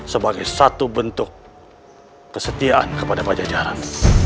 sebagai satu bentuk kesetiaan kepada pajajaran